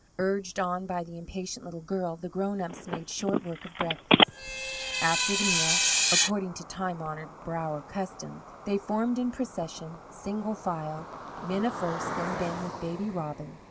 Urged on by the impatient little girl, the grown ups made short work of breakfast. After the meal, according to time honoured Brower custom, they formed in procession, single file, Minna first, then Ben with Baby Robin.